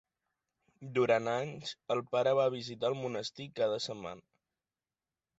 Durant anys, el pare va visitar el monestir cada setmana.